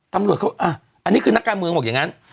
ตำรวจเขาอ่ะอันนี้คือนักการเมืองบอกอย่างนั้น